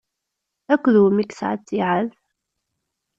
Akked wumi i yesɛa ttiɛad?